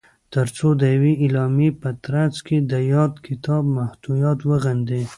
تر څو د یوې اعلامیې په ترځ کې د یاد کتاب محتویات وغندي